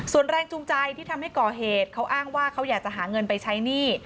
ส่วนแรงจูงใจที่ทำให้ก่อเหตุเขาอ้างว่าเขาอยากจะหาเงินไปใช้หนี้